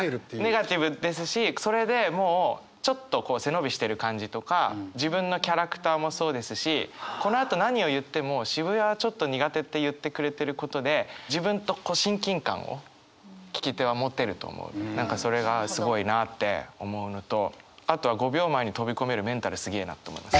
ネガティブですしそれでもうちょっと背伸びしてる感じとか自分のキャラクターもそうですしこのあと何を言っても「渋谷はちょっと苦手」って言ってくれてることで自分と何かそれがすごいなあって思うのとあとは５秒前に飛び込めるメンタルすげえなと思います。